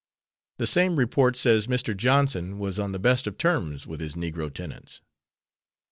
The same report says Mr. Johnson was on the best of terms with his Negro tenants.